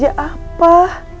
yang jelas sayang